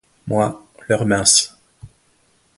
Moi, leur mince